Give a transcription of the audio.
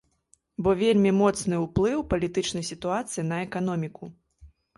Бо вельмі моцны ўплыў палітычнай сітуацыі на эканоміку.